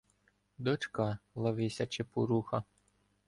Дочка Лавися-чепуруха